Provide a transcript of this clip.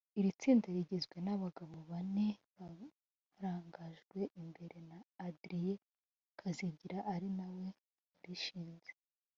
Iri tsinda rigizwe n’abagabo bane barangajwe imbere na Adrien Kazigira ari na we warishinze